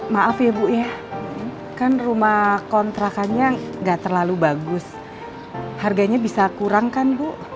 maaf ya bu ya kan rumah kontrakannya nggak terlalu bagus harganya bisa kurang kan bu